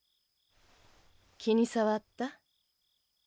気に障った？